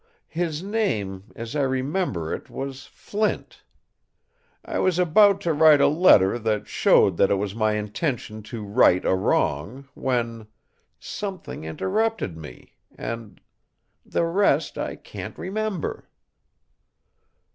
His name, as I remember it, was Flint. I was about to write a letter that showed that it was my intention to right a wrong, when something interrupted me and the rest I can't remember."